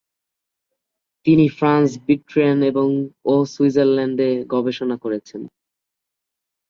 তিনি France, Britain ও সুইজারল্যান্ডে গবেষণা করেছেন।